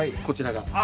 こちらが。